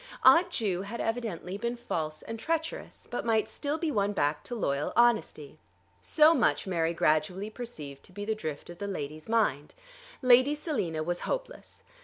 Aunt Ju had evidently been false and treacherous, but might still be won back to loyal honesty. So much Mary gradually perceived to be the drift of the lady's mind. Lady Selina was hopeless.